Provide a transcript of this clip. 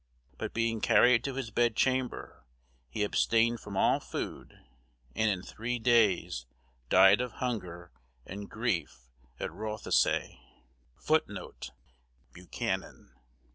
But being carried to his bedchamber, he abstained from all food, and in three days died of hunger and grief at Rothesay." Buchanan.